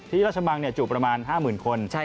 ที่ราชมังจุประมาณ๕หมื่นคน